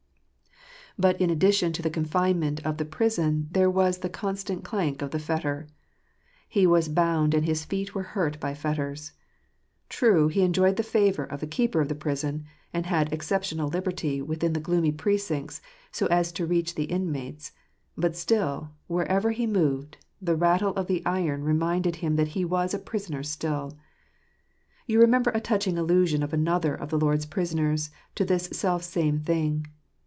But in addition to the confinement of the prison, there was the constant clank of the fetter. He was bound, and his feet were hurt by fetters. True, he enjoyed the favour of the keeper of the prison, and had exceptional liberty within the gloomy precincts so as to reach the inmates ; but still, wherever he moved, the rattle of the iron reminded him that he was a prisoner still You remember a touching allusion of another of the Lord 's prisoners to this self same thing.